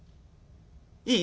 いい？